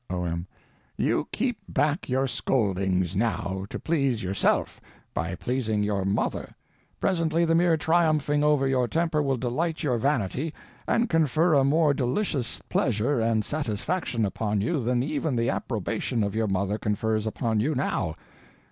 O.M. You keep back your scoldings now, to please _yourself _by pleasing your mother; presently the mere triumphing over your temper will delight your vanity and confer a more delicious pleasure and satisfaction upon you than even the approbation of your _mother _confers upon you now.